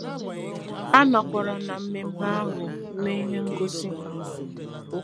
A nọkwara na mmemme ahụ mee ihe ngosi